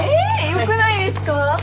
よくないですか？